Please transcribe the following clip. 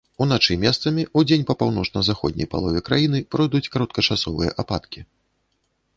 Уначы месцамі, удзень па паўночна-заходняй палове краіны пройдуць кароткачасовыя ападкі.